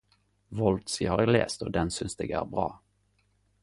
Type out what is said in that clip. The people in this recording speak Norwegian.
Vold si har eg lest og den syns eg er bra.